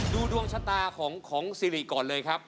ดูดวงชะตาของซิริก่อนเลยครับ